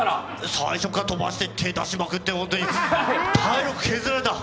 最初から飛ばしてって、出しまくって体力削られた。